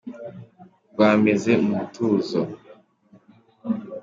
Rwameze mu mutuzo